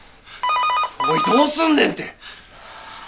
おいどうすんねんて！